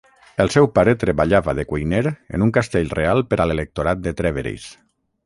El seu pare treballava de cuiner en un castell real per a l'electorat de Trèveris.